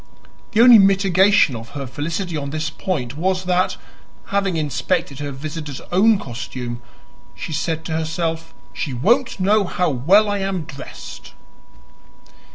The only mitigation of her felicity on this point was that, having inspected her visitor's own costume, she said to herself, "She won't know how well I am dressed!"